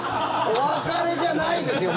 お別れじゃないですよ！